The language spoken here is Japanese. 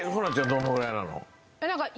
どのぐらいなの？